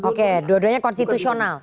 oke dua duanya konstitusional